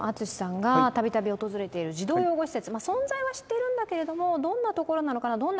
ＡＴＳＵＳＨＩさんがたびたび訪れている児童養護施設存在は知っているんだけれどもどんなところなのかな